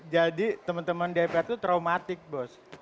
jadi teman teman dprd itu traumatik bos